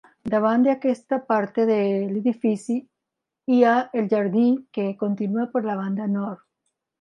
Davant d'aquesta part de l'edifici hi ha el jardí, que continua per la banda nord.